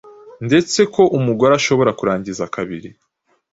ndetse ko umugore ashobora kurangiza kabiri